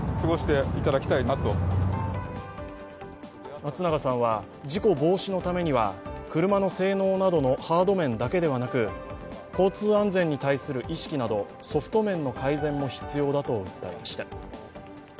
松永さんは事故防止のためには、車の性能などのハード面だけではなく、交通安全に対する意識などソフト面の改善も必要だと訴えました。